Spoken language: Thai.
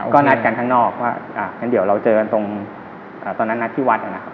ก็นัดกันข้างนอกว่างั้นเดี๋ยวเราเจอกันตรงตอนนั้นนัดที่วัดนะครับ